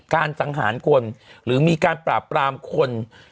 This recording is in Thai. สังหารคนหรือมีการปราบปรามคน